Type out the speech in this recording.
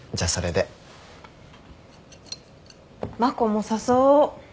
真子も誘おう。